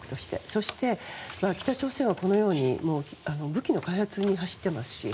そして、北朝鮮はこのように武器の開発に走っていますし。